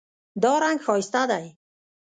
دا رنګ ښایسته دی